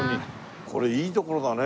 これいい所だね。